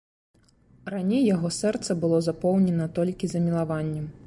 Раней яго сэрца было запоўнена толькі замілаваннем.